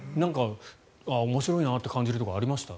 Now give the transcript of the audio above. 面白いなって感じるところありました？